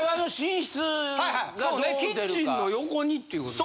キッチンの横にっていうこと。